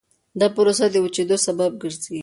دا پروسه د وچېدو سبب ګرځي.